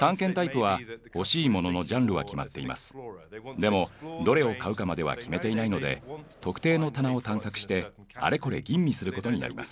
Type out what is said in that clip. でもどれを買うかまでは決めていないので特定の棚を探索してあれこれ吟味することになります。